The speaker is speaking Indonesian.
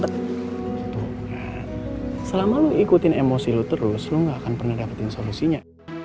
betul kan selama lu ikutin emosi lu terus lu gak akan pernah dapetin solusinya